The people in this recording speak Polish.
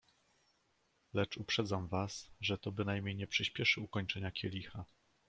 "Lecz uprzedzam was, że to bynajmniej nie przyśpieszy ukończenia kielicha."